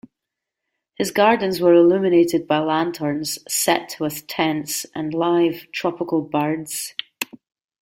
His gardens were illuminated by lanterns, set with tents, and live, tropical birds.